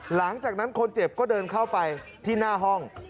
หลังจากนั้นคนเจ็บก็เดินเข้าไปที่หน้าห้อง